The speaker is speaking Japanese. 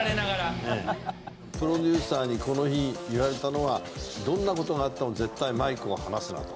プロデューサーにこの日言われたのはどんな事があっても絶対マイクを離すなと。